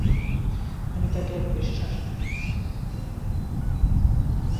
আমি তাকে এক বেশ্যার সাথে দেখেছিলাম।